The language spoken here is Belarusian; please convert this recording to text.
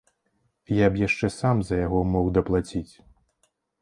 Я б яшчэ сам за яго мог даплаціць.